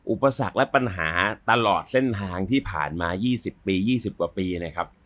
อุปสรรคและปัญหาตลอดเส้นทางที่ผ่านมา๒๐ปี๒๐กว่าปีเลยครับ